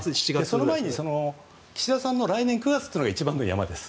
その前に岸田さんの来年９月が一番の山です。